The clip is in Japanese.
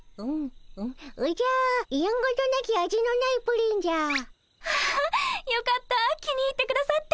おじゃやんごとなき味のないプリンじゃ。わよかった気に入ってくださって。